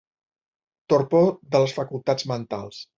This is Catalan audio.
Torpor de les facultats mentals.